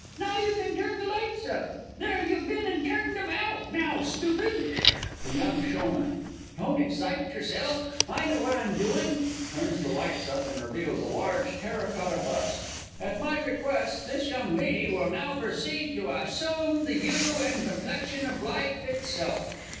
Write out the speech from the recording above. Now you can turn the lights up ... there, you've bin and turned 'em out now, stoopid! THE Y. S. Don't you excite yourself. I know what I'm doin'. (Turns the lights up, and reveals a large terra cotta Bust.) At my request, this young lydy will now perceed to assoom the yew and kimplexion of life itself.